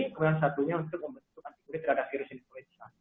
kemudian satunya untuk membentuk antibody terhadap virus influenza